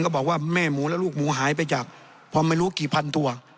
คะหมูเยอะขนาดหมูจะอยู่ครบได้ไง